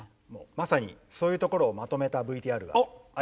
まさにそういうところをまとめたＶＴＲがありますので。